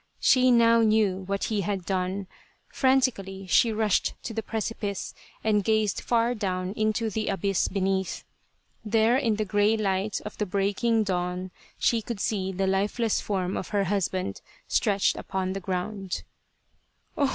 She now knew what he had done. Frantically she rushed to the precipice and gazed far down into the abyss beneath. There in the grey light of the breaking dawn she could see the lifeless form of her husband stretched upon the ground.